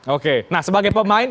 oke nah sebagai pemain